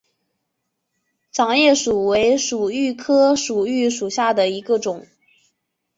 掌叶薯为薯蓣科薯蓣属下的一个种。